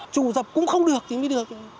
trù dập cũng không được thì mới được